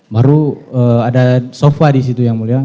baru ada sofa di situ yang mulia